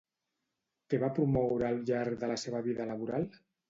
Què va promoure al llarg de la seva vida laboral?